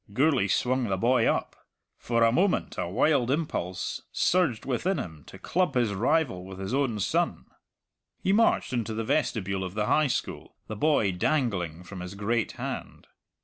Gourlay swung the boy up; for a moment a wild impulse surged within him to club his rival with his own son. He marched into the vestibule of the High School, the boy dangling from his great hand.